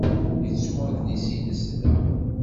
Yettu adlis-nnes da.